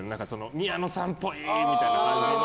宮野さんっぽいみたいなやつは。